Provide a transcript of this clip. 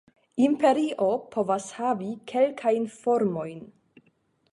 Imperio povas havi kelkajn formojn.